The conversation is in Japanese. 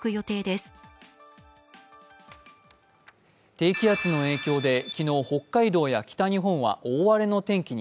低気圧の影響で昨日北海道や北日本は大荒れの天気に。